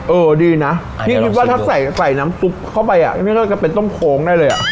เออดีนะพี่คิดว่าถ้าใส่น้ำซุปเข้าไปไม่น่าจะเป็นต้มโค้งได้เลยอ่ะ